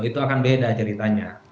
itu akan beda ceritanya